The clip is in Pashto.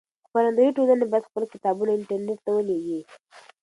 خپرندويې ټولنې بايد خپل کتابونه انټرنټ ته ولېږي.